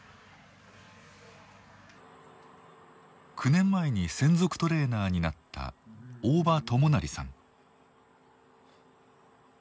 ９年前に専属トレーナーになった大庭大業さん。